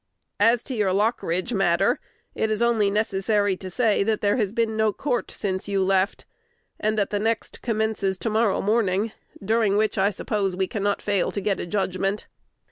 As to your Lockridge matter, it is only necessary to say that there has been no court since you left, and that the next commences to morrow morning, during which I suppose we cannot fail to get a judgment.